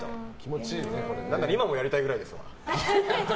今もやりたいくらいです。